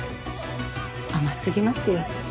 甘すぎますよ。